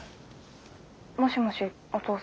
☎もしもしお父さん？